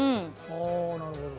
ああなるほど。